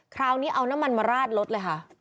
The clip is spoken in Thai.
คราวนี้เอาน้ำมันมาราดรถเลยค่ะ